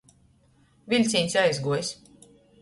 Viļcīņs aizguojs.